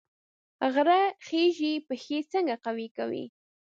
غره خیژي پښې څنګه قوي کوي؟